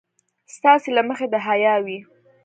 ستاسې له مخې د حيا وي.